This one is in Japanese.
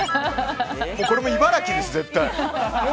これ、茨城です、絶対。